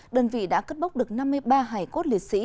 đơn vị đã cất bóc được năm mươi ba hải cốt lịch sĩ